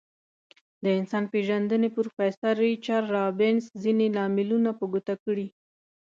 د انسان پیژندنې پروفیسور ریچارد رابینز ځینې لاملونه په ګوته کړي.